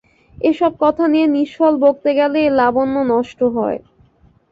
এ-সব কথা নিয়ে নিষ্ফল বকতে গেলে এর লাবণ্য নষ্ট হয়।